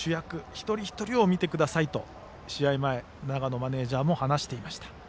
一人一人を見てくださいと試合前、永野マネージャーも話していました。